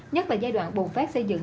nhất là giai đoạn bùn phát xây dựng